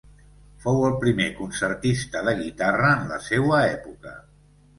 Fou el primer concertista de guitarra en la seua època.